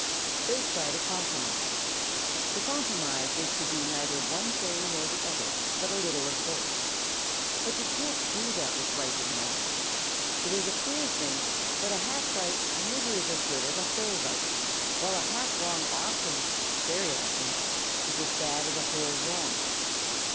They try to compromise. To compromise is to do neither one thing nor the other but a little of both. But you can't do that with right and wrong. It is a queer thing, but a half right never is as good as a whole right, while a half wrong often, very often, is as bad as a whole wrong.